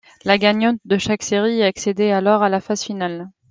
La gagnante de chaque série accédait alors à la phase finale.